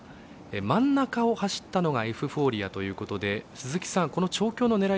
真ん中を走ったのがエフフォーリアということで鈴木さん、この調教のねらい